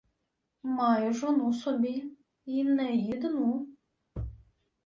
— Маю жону собі... Й не їдну.